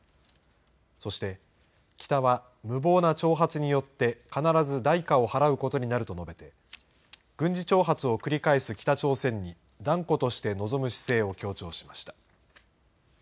そして北は無謀な挑発によって、必ず代価を払うことになると述べて、軍事挑発を繰り返す北朝鮮に断固として臨む姿勢を強調しました。